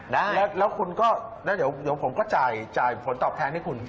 ได้แล้วเดี๋ยวผมก็จ่ายผลตอบแทนให้คุณ